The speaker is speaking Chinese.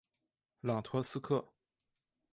朗托斯克。